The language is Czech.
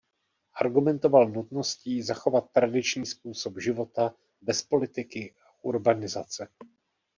Argumentoval nutností zachovat tradiční způsob života bez politiky a urbanizace.